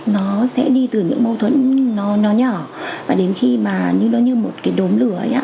nó sẽ đi từ những mâu thuẫn nó nhỏ và đến khi mà như nó như một cái đốm lửa